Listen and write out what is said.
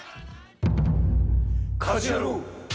『家事ヤロウ！！！』。